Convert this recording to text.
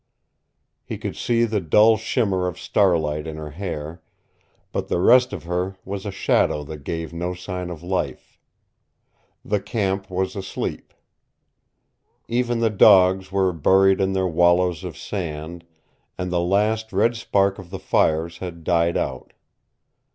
He could see the dull shimmer of starlight in her hair, but the rest of her was a shadow that gave no sign of life. The camp was asleep. Even the dogs were buried in their wallows of sand, and the last red spark of the fires had died out.